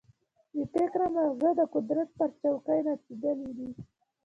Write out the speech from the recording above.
بې فکره ماغزه د قدرت پر چوکۍ نڅېدلي دي.